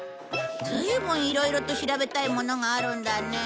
ずいぶんいろいろと調べたいものがあるんだね。